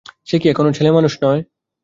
সে কি এখনো ছেলেমানুষ নয়?